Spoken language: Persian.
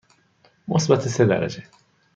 مثبت سه درجه.